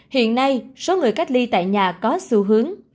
hiện nay số người cách ly tại nhà có xu hướng